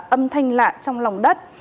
âm thanh lạ trong lòng đất